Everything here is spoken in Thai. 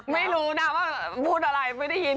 ไม่รู้นะว่าพูดอะไรไม่ได้ยิน